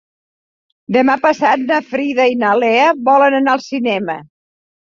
Demà passat na Frida i na Lea volen anar al cinema.